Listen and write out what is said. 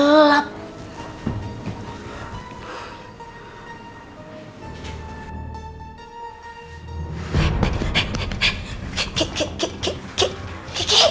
kalian gak akan nyesel